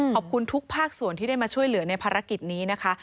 ขอบคุณทุกภาคส่วนที่ได้มาช่วยเหลือในภารกิจนี้นะคะ